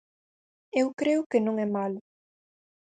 Eu creo que non é malo.